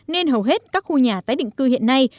nên hầu hết các khu nhà tái định cư hiện nay